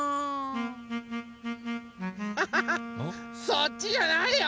そっちじゃないよ。